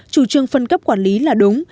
chủ trương phân cấp quản lý là đúng